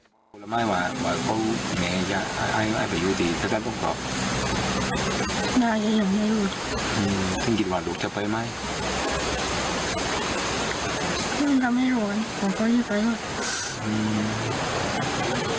เพราะมันจะไม่รวมหวังว่าลูกจะอยู่ไปอย่างนั้น